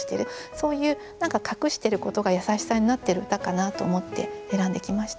そういう何か隠していることが優しさになってる歌かなと思って選んできました。